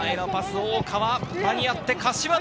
大川まに合って柏田。